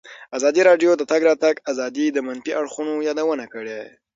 ازادي راډیو د د تګ راتګ ازادي د منفي اړخونو یادونه کړې.